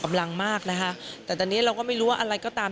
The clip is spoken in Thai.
มากนะคะแต่ตอนนี้เราก็ไม่รู้ว่าอะไรก็ตาม